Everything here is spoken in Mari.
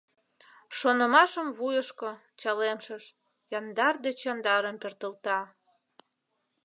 Шонымашым вуйышко, чалемшыш, Яндар деч яндарым пӧртылта.